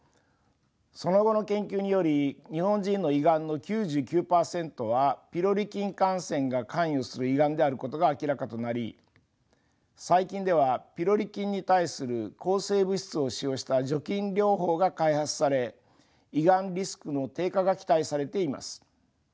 その後の研究により日本人の胃がんの９９％はピロリ菌感染が関与する胃がんであることが明らかとなり最近ではピロリ菌に対する抗生物質を使用した除菌療法が開発され胃がんリスクの低下が期待されています。